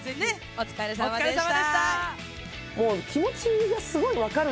お疲れさまでした。